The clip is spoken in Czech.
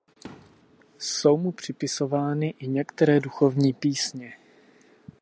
Jsou mu připisovány i některé duchovní písně.